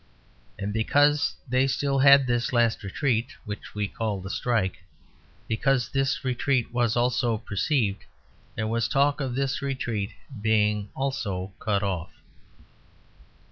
And because they still had this last retreat (which we call the Strike), because this retreat was also perceived, there was talk of this retreat being also cut off.